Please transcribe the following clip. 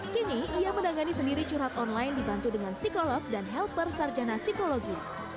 kini ia menangani sendiri curhat online dibantu dengan psikolog dan helper sarjana psikologi